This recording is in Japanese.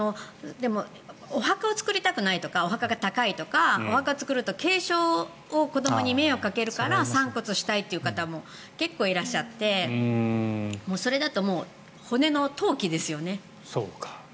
でも、お墓を作りたくないとかお墓が高いとかお墓を作ると継承で子どもに迷惑をかけるから散骨したいという方も結構いらっしゃって投棄ね。